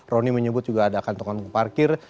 roni menyebut juga ada kantong kantong parkir